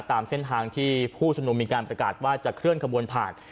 ตามเส้นทางที่ผู้ชมนุมมีการประกาศว่าจะเคลื่อนขบวนผ่าน